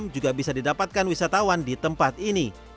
juga bisa didapatkan wisatawan di tempat ini